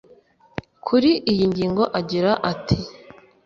Kuri iyi ngingo agira ati